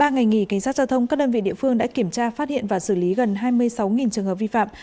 ba ngày nghỉ cảnh sát giao thông các đơn vị địa phương đã kiểm tra phát hiện và xử lý gần hai mươi sáu trường hợp vi phạm